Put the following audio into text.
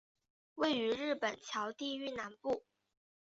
位于日本桥地域南部。